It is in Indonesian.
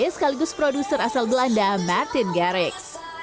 sekaligus produser asal belanda martin garyx